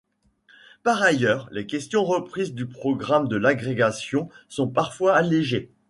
Par ailleurs, les questions reprises du programme de l'agrégation sont parfois allégées.